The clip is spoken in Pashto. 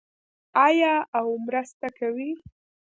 آیا او مرسته کوي؟